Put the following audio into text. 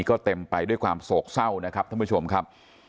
ก็เต็มไปด้วยความโศกเศร้านะครับท่านผู้ชมครับ